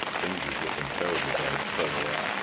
Things is looking terrible bad, so they are.